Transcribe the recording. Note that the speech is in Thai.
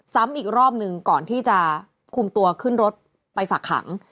ซ้ำอีกรอบหนึ่งก่อนที่จะคุมตัวขึ้นรถไปฝากขัง